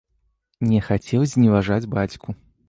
Не хацеў зневажаць бацьку.